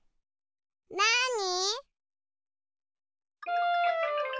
なに？